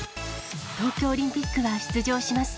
東京オリンピックは出場します。